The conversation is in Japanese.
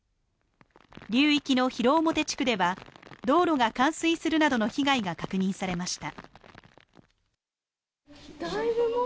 流域の広面地区では道路が冠水するなどの被害が確認されました。